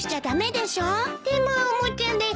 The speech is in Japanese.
でもおもちゃです。